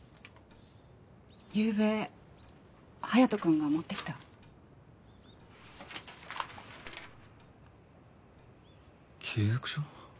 ゆうべ隼人君が持ってきた契約書？